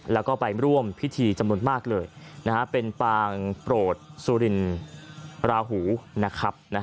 แล้วก็ไปร่วมพิธีจำนวนมากเลยเป็นปางโปรดสุรินราหูนะครับ